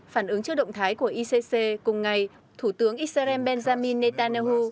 phản ứng trước động thái của icc cùng ngày thủ tướng israel benjamin netanyahu